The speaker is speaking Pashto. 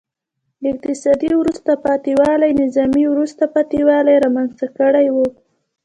اقتصادي وروسته پاتې والي نظامي وروسته پاتې والی رامنځته کړی و.